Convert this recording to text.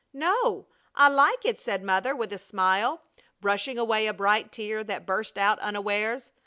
"No, I like it," said Mother, with a smile, brushing away a bright tear that burst out unawares.